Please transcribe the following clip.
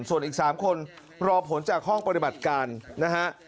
ส่วนอีก๓คนรอผลจากห้องปฏิบัติการนะฮะ